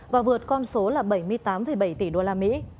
và vượt con số là bảy mươi tám bảy tỷ usd